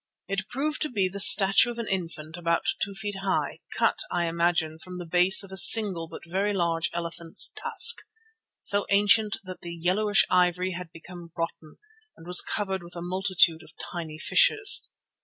It proved to be the statue of an infant about two feet high, cut, I imagine, from the base of a single but very large elephant's tusk, so ancient that the yellowish ivory had become rotten and was covered with a multitude of tiny fissures.